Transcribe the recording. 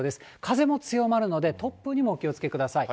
風も強まるので、突風にもお気をつけください。